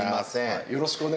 よろしくお願いします。